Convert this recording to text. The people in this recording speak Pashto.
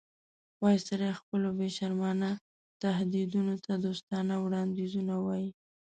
وایسرا خپلو بې شرمانه تهدیدونو ته دوستانه وړاندیزونه وایي.